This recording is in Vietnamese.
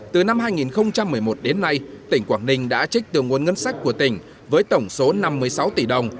từ năm hai nghìn một mươi một đến nay tỉnh quảng ninh đã trích từ nguồn ngân sách của tỉnh với tổng số năm mươi sáu tỷ đồng